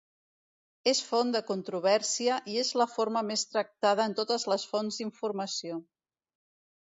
És font de controvèrsia i és la forma més tractada en totes les fonts d'informació.